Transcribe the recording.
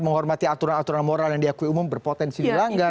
menghormati aturan aturan moral yang diakui umum berpotensi dilanggar